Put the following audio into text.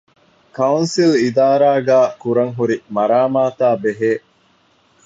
ކައުންސިލް އިދާރާގައި ކުރަންހުރި މަރާމާތާބެހޭ